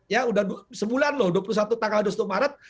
ya udah sebulan loh dua puluh satu tanggal dua puluh satu maret